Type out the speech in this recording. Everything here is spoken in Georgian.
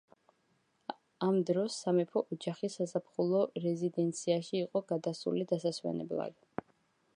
ამ დროს სამეფო ოჯახი საზაფხულო რეზიდენციაში იყო გადასული დასასვენებლად.